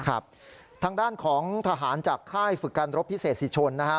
ครับทางด้านของทหารจากค่ายฝึกการรบพิเศษสิทธิชนนะคะ